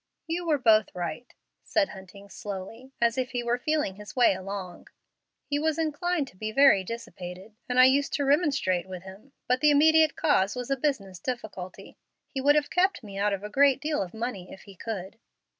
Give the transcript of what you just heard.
"You were both right," said Hunting, slowly, as if he were feeling his way along. "He was inclined to be very dissipated, and I used to remonstrate with him; but the immediate cause was a business difficulty. He would have kept me out of a great deal of money if he could."